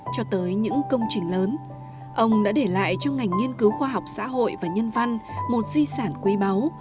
cho tới những công trình lớn ông đã để lại cho ngành nghiên cứu khoa học xã hội và nhân văn một di sản quý báu